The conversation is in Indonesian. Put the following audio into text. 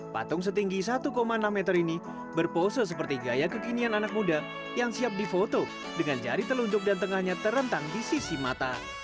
patung setinggi satu enam meter ini berpose seperti gaya kekinian anak muda yang siap difoto dengan jari telunjuk dan tengahnya terentang di sisi mata